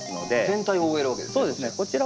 全体を覆えるわけですねこちら。